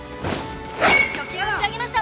初球を打ち上げました